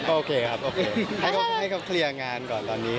โอเคครับโอเคให้เขาเคลียร์งานก่อนตอนนี้